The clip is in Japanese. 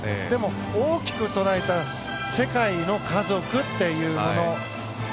でも、大きく捉えた世界の家族っていうもの